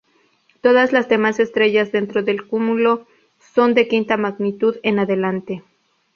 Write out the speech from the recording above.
Todas las demás estrellas dentro del cúmulo son de quinta magnitud en adelante.